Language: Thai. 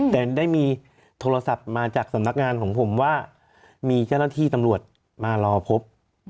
แต่ได้มีโทรศัพท์มาจากสำนักงานของผมว่ามีเจ้าหน้าที่ตำรวจมารอพบ